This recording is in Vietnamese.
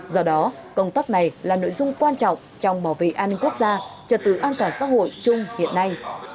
do đó công tác này là nội dung quan trọng trong bảo vệ an ninh quốc gia trật tự an toàn xã hội chung hiện nay